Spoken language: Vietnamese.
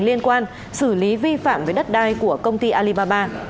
liên quan xử lý vi phạm với đất đai của công ty alibaba